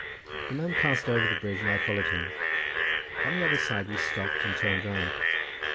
The man passed over the bridge and I followed him; on the other side we stopped and turned round.